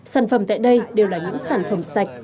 sản phẩm tại đây đều là những sản phẩm sạch